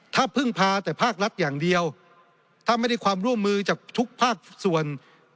ถ้าพึ่งพาแต่ภาครัฐอย่างเดียวถ้าไม่ได้ความร่วมมือจากทุกภาคส่วน